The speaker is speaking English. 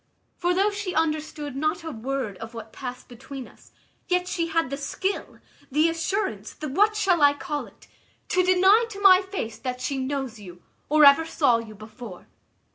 For though she understood not a word of what passed between us, yet she had the skill, the assurance, the what shall I call it? to deny to my face that she knows you, or ever saw you before.